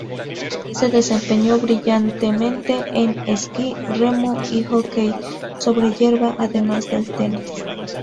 Se desempeñó brillantemente en esquí, remo y hockey sobre hierba, además del tenis.